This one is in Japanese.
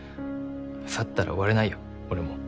去ったら追われないよ俺も。